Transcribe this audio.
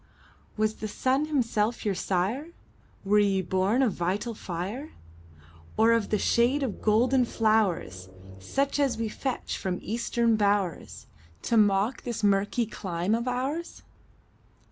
Was the sun himself your sire? Were ye born of vital fire? Or of the shade of golden flowers, Such as we fetch from Eastern bowers, To mock this murky clime of ours?